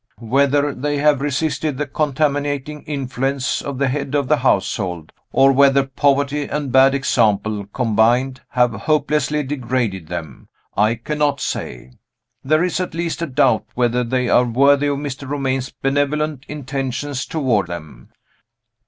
Whether they have resisted the contaminating influence of the head of the household or whether poverty and bad example combined have hopelessly degraded them I cannot say. There is at least a doubt whether they are worthy of Mr. Romayne's benevolent intentions toward them.